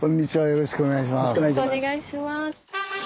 よろしくお願いします。